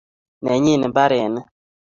Nenyi mbaret ni